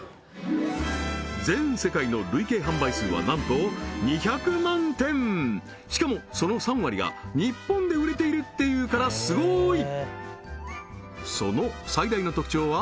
全世界の累計販売数はなんと２００万点しかもその３割が日本で売れているっていうからすごーい！